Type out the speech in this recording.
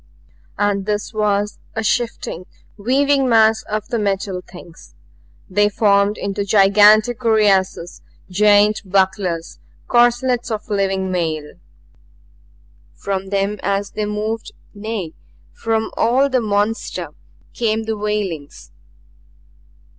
And this was a shifting, weaving mass of the Metal Things; they formed into gigantic cuirasses, giant bucklers, corselets of living mail. From them as they moved nay, from all the monster came the wailings.